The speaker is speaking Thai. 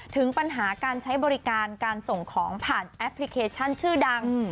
ถึงปัญหาการใช้บริการการส่งของผ่านแอปพลิเคชันชื่อดัง